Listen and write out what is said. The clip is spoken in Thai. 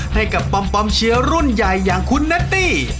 ให้กับปำปำเชียรุ่นใหญ่อย่างคุณนาตี้